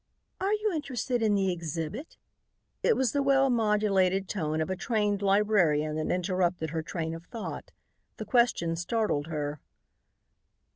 "Are you interested in the exhibit?" It was the well modulated tone of a trained librarian that interrupted her train of thought. The question startled her.